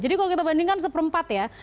jadi kalau kita bandingkan seperempat ya